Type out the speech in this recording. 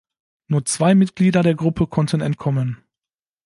Nur zwei Mitglieder der Gruppe konnten entkommen.